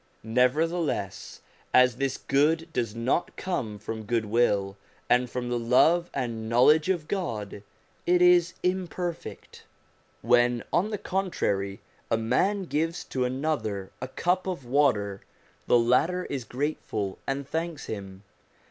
Nevertheless, as this 1 good does not come from goodwill and from the love and know ledge of God, it is imperfect. When, on the contrary, a man gives to another a cup of water, the latter is grateful and thanks him.